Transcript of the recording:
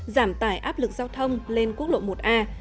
giảm tải áp lực giao thông lên quốc lộ một a